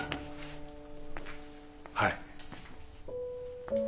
はい。